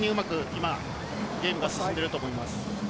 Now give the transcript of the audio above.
今ゲームが進んでいると思います。